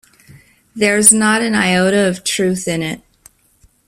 There's not an iota of truth in it.